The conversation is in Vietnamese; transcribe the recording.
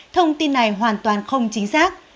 thông tin này hoàn toàn không chính xác